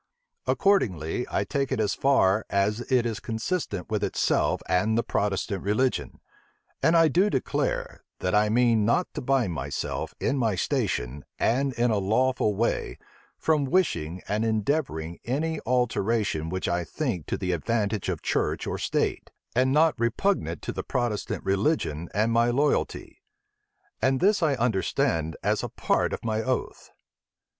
Accordingly, I take it as far as it is consistent with itself and the Protestant religion. And I do declare, that I mean not to bind myself, in my station, and in a lawful way, from wishing and endeavoring any alteration which I think to the advantage of church or state, and not repugnant to the Protestant religion and my loyalty: and this I understand as a part of my oath."